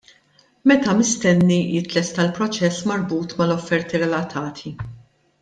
Meta mistenni jitlesta l-proċess marbut mal-offerti relatati?